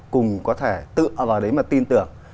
cùng có thể tự vào đấy mà tin tưởng